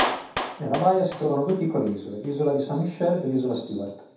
Nella baia si trovano due piccole isole: l'Isola di St. Michael e l'Isola Stuart.